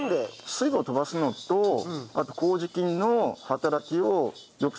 水分を飛ばすのとあと麹菌の働きを良くする。